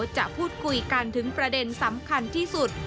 จะพูดคุยกันถึงประเด็นสำคัญที่สุด